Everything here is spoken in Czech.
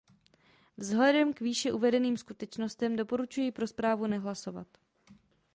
Vzhledem k výše uvedeným skutečnostem doporučuji pro zprávu nehlasovat.